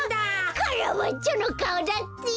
カラバッチョのかおだって！